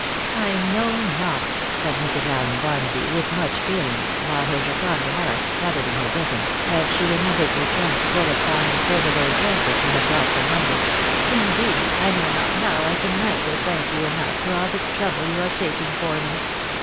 " I know not," said Mrs. AUen Barnaby, with much feeling, while her jocund heart fluttered in her bosom, as she remembered the trunks full of fine furbelowed dresses she had brought from London, " indeed I know not how I can ever thank you enough for all the trouble you are taking for me